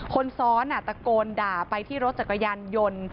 คนซ้อนตะโกนด่าไปที่รถจักรยานยนต์